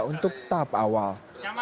untuk tahap awal